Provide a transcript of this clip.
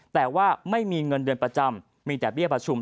แต่ว่าไม่มีเงินเดือนประจำมีแต่เบี้ยประชุม